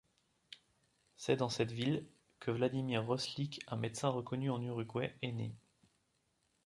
C'est dans cette ville que Vladimir Roslik, un médecin reconnu en Uruguay, est né.